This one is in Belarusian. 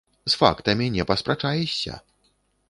З фактамі не паспрачаешся!